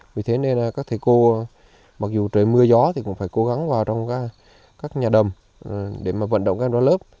vì thế nên là các thầy cô mặc dù trời mưa gió thì cũng phải cố gắng vào trong các nhà đầm để mà vận động các em ra lớp